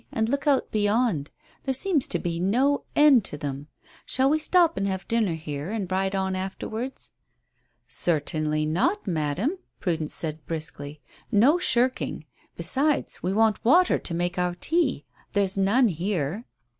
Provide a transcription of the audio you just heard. And look out beyond. There seems to be no end to them. Shall we stop and have dinner here, and ride on afterwards?" "Certainly not, madam," Prudence said briskly. "No shirking; besides, we want water to make our tea. There's none here."